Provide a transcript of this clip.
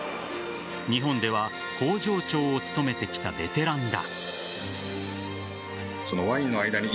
日本では工場長を務めてきたベテランだ。